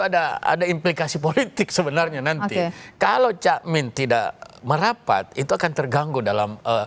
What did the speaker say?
ada ada implikasi politik sebenarnya nanti kalau cakmin tidak merapat itu akan terganggu dalam